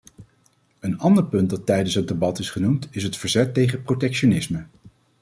Een ander punt dat tijdens het debat is genoemd is het verzet tegen protectionisme.